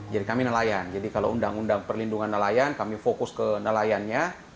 kami nelayan jadi kalau undang undang perlindungan nelayan kami fokus ke nelayannya